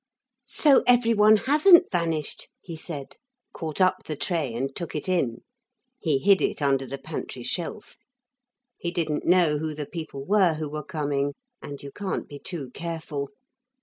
'So every one hasn't vanished,' he said, caught up the tray and took it in. He hid it under the pantry shelf. He didn't know who the people were who were coming and you can't be too careful.